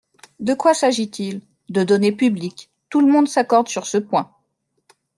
De quoi s’agit-il ? De données publiques – tout le monde s’accorde sur ce point.